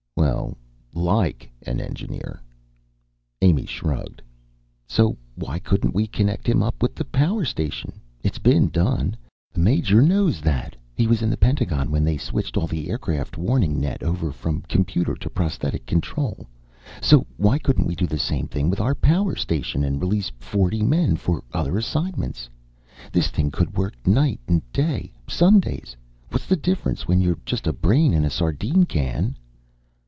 "Well ... like an engineer." Amy shrugged. "So why couldn't we connect him up with the power station? It's been done. The Major knows that he was in the Pentagon when they switched all the aircraft warning net over from computer to prosthetic control. So why couldn't we do the same thing with our power station and release forty men for other assignments? This thing could work day, night, Sundays what's the difference when you're just a brain in a sardine can?"